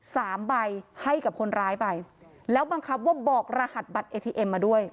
สามใบให้กับคนร้ายไปแล้วบังคับว่าบอกรหัสบัตรเอทีเอ็มมาด้วย